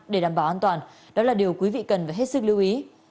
để đảm bảo an toàn đó là điều quý vị cần phải hết sức lưu ý